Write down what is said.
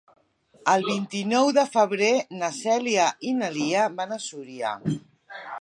El vint-i-nou de febrer na Cèlia i na Lia van a Súria.